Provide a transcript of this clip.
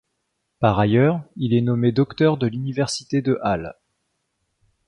Par ailleurs, il est nommé docteur de l'université de Halle.